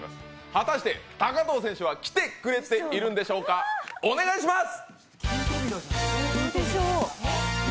果たして高藤選手は、来てくれているんでしょうか、お願いします。